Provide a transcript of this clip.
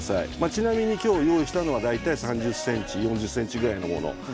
ちなみにきょう用意したのは大体、３０ｃｍ４０ｃｍくらいのもの。